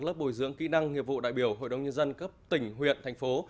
lớp bồi dưỡng kỹ năng nghiệp vụ đại biểu hội đồng nhân dân cấp tỉnh huyện thành phố